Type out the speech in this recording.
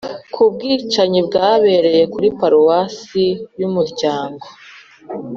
ku bwicanyi bwabereye kuri paruwasi y'umuryango